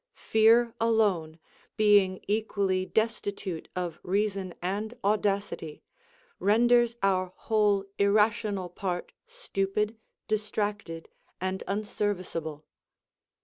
Fear alone, being equally destitute of reason and audacity, renders our whole irrational part stupid, distracted, and un serviceable.